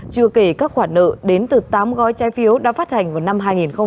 chưa kể các khoản nợ đến từ tám gói trái phiếu đã phát hành vào năm hai nghìn một mươi năm